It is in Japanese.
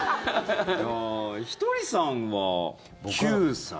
ひとりさんは、９歳。